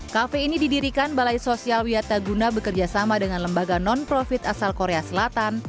cafe ini didirikan balai sosial wiata guna bekerjasama dengan lembaga non profit asal korea selatan